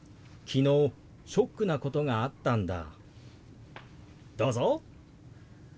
昨日ショックなことがあったんだ。